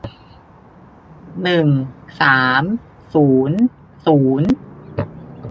หนึ่งสามศูนย์ศูนย์